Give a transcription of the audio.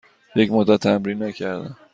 یک مدت تمرین نکردم.